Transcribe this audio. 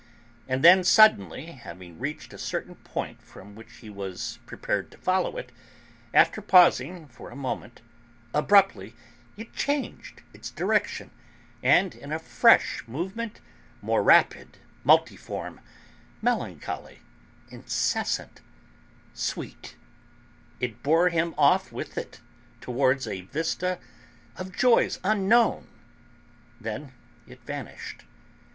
And then, suddenly having reached a certain point from which he was prepared to follow it, after pausing for a moment, abruptly it changed its direction, and in a fresh movement, more rapid, multiform, melancholy, incessant, sweet, it bore him off with it towards a vista of joys unknown. Then it vanished.